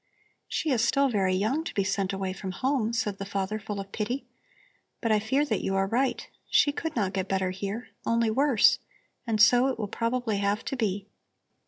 "She is still very young to be sent away from home," said the father, full of pity. "But I fear that you are right. She could not get better here, only worse, and so it will probably have to be.